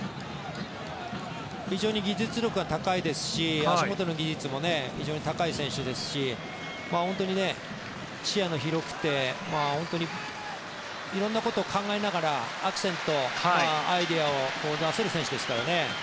非常に技術力が高いですし足元の技術も高い選手ですから視野が広くて色んなことを考えながらアクセント、アイデアを出せる選手ですからね。